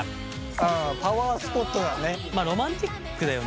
パワースポットだね。